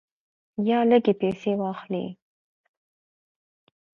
یا لږې پیسې واخلې.